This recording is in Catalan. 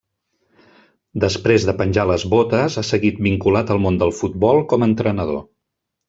Després de penjar les botes, ha seguit vinculat al món del futbol com a entrenador.